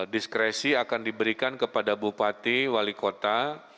diskresi akan diberikan kepada bupati wali kota